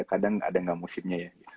kadang ada gak musimnya ya